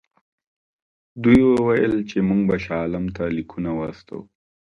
دوی وویل چې موږ به شاه عالم ته لیکونه واستوو.